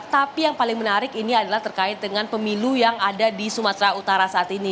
tapi yang paling menarik ini adalah terkait dengan pemilu yang ada di sumatera utara saat ini